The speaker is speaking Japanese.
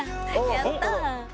やった。